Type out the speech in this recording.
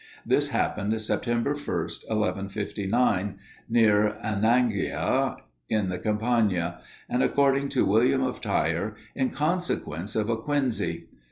This happened Sept. 1st, 1159, near Anagnia, in the Campagna, and according to William of Tyre, in consequence of a quinsy.